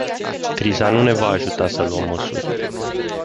Criza nu ne va ajuta să luăm măsuri.